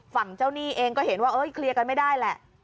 ฝั่งเจ้าหนี้เองก็เห็นว่าเคลียร์กันไม่ได้แหละ